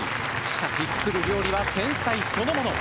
しかし作る料理は繊細そのもの